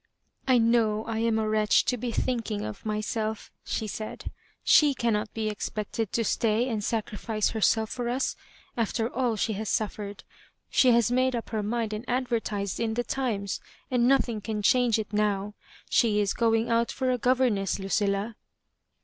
*^ I know I am a wretch to be thinking of my self;" she said. She cannot be expected to stay and sacrifice herself for us, after all she has suffer ed. She haa made up her mind and advertised in the * Times,' and nothing can change it now She is going out for a governess, Ludlla."